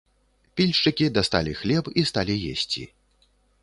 Пільшчыкі дасталі хлеб і сталі есці.